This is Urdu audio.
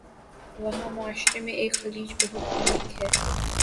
وہاں معاشرے میں ایک خلیج بہت عمیق ہے